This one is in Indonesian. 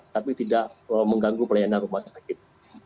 tapi tidak mengganggu pelayanan rumah sakit